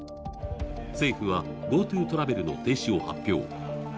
政府はＧｏＴｏトラベルの停止を発表。